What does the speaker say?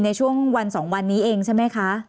ในช่วงวัน๒วันนี้เองใช่ไหมคะ